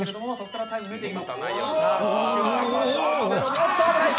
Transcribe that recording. おっと、危ない！